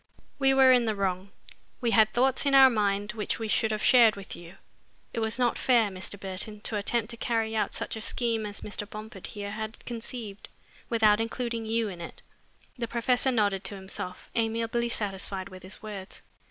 We were in the wrong. We had thoughts in our mind which we should have shared with you. It was not fair, Mr. Burton, to attempt to carry out such a scheme as Mr. Bomford here had conceived, without including you in it." The professor nodded to himself, amiably satisfied with his words.